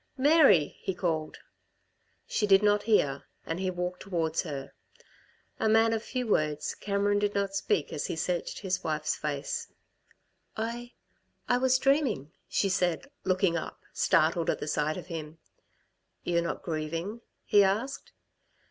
"Mary!" he called. She did not hear, and he walked towards her. A man of few words, Cameron did not speak as he searched his wife's face. "I I was dreaming," she said, looking up, startled at the sight of him. "You're not grieving?" he asked.